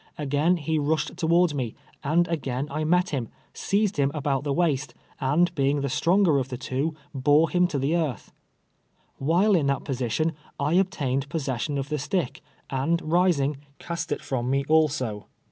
Again he rushed towards me, and again I met him, seized him about the waist, and being the stronger of the two, bore him to the earth. AVhile in that position I obtained possession of the stick, and rising, cast it from me, also.